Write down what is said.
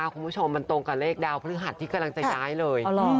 คุณผู้ชมมันตรงกับเลขดาวพฤหัสที่กำลังจะย้ายเลย